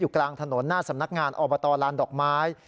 กลางถนนหน้าสำนักงานอบตลานดอกไม้